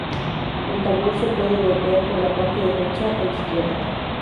El tambor se puede golpear por la parte derecha e izquierda.